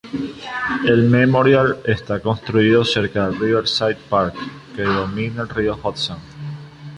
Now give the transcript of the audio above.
El memorial está construido cerca del Riverside Park, que domina el río Hudson.